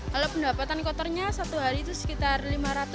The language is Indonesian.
kalau pendapatan kotornya satu hari itu sekitar lima ratus